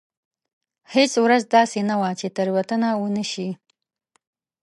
هېڅ ورځ داسې نه وه چې تېروتنه ونه شي.